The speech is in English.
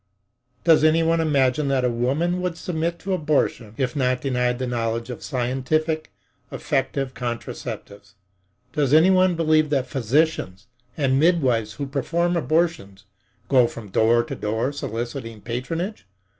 Does anyone imagine that a woman would submit to abortion if not denied the knowledge of scientific, effective contraceptives? Does anyone believe that physicians and midwives who perform abortions go from door to door soliciting patronage?